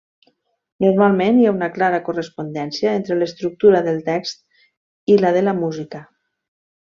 Normalment hi ha una clara correspondència entre l'estructura del text i la de la música.